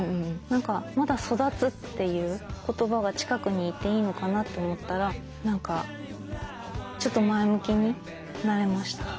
何かまだ「育つ」という言葉が近くにいていいのかなと思ったら何かちょっと前向きになれました。